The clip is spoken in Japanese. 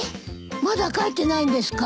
まだ帰ってないんですか？